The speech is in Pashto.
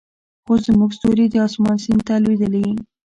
خو زموږ ستوري د اسمان سیند ته لویدلې